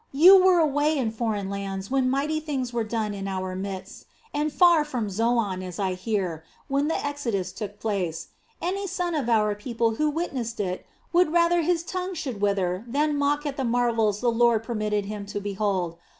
You were away in foreign lands when mighty things were done in our midst, and far from Zoan, [The Hebrew name for Tanis] as I hear, when the exodus took place. Any son of our people who witnessed it would rather his tongue should wither than mock at the marvels the Lord permitted him to behold.